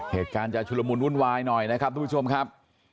เหตุการณ์จะชุลมุนวุ่นวายหน่อยนะครับทุกผู้ชมครับ